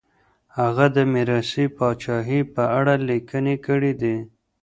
هغه د ميراثي پاچاهۍ په اړه ليکنې کړي دي.